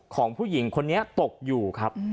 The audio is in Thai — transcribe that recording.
ของผู้หญิงคนนี้ตกอยู่ครับ